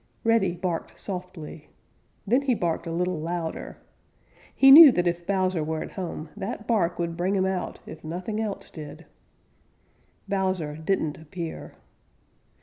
Reddy barked softly. Then he barked a little louder. He knew that if Bowser were at home, that bark would bring him out if nothing else did. Bowser didn't appear.